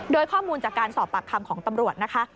โดยข้อมูลจากการสอบปากคำของตำรวจนะคะ